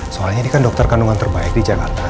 soalnya ini kan dokter kandungan terbaik di jakarta